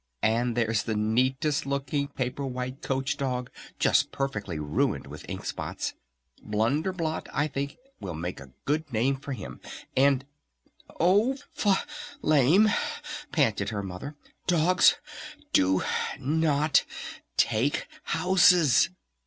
And there's the neatest looking paper white coach dog just perfectly ruined with ink spots! Blunder Blot, I think, will make a good name for him! And " "Oh Fl ame!" panted her Mother. "Dogs do not take houses!"